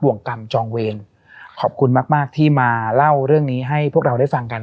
วงกรรมจองเวรขอบคุณมากมากที่มาเล่าเรื่องนี้ให้พวกเราได้ฟังกัน